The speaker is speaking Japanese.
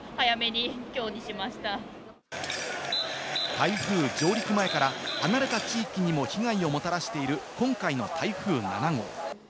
台風上陸前から離れた地域にも被害をもたらしている今回の台風７号。